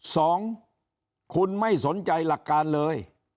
สองคุณไม่สนใจหลักการเลย